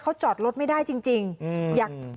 เขาจอดรถไม่ได้จริง